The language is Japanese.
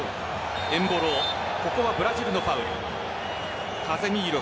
ソウ、エムボロここはブラジルのファウル。